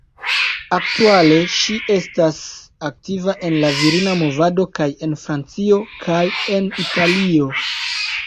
Aktuale, ŝi estas aktiva en la Virina Movado kaj en Francio kaj en Italio.